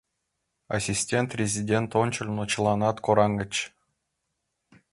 Ассистент-резидент ончылно чыланат кораҥыч.